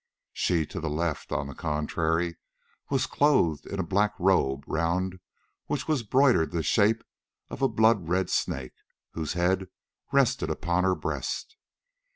She to the left, on the contrary, was clothed in a black robe round which was broidered the shape of a blood red snake, whose head rested upon her breast.